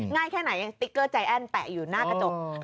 ง่ายแค่ไหนสติ๊กเกอร์ใจแอ้นแปะอยู่หน้ากระจก